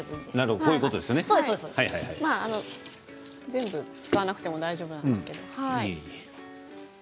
全部使わなくても大丈夫なんですけれど。